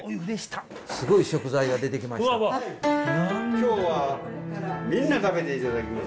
今日はみんな食べていただきます。